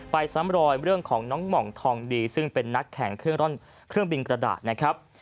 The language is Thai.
ซ้ำรอยเรื่องของน้องหม่องทองดีซึ่งเป็นนักแข่งเครื่องบินกระดาษนะครับ